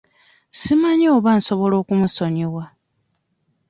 Simanyi oba nsobola okumusonyiwa.